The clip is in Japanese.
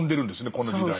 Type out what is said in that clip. この時代に。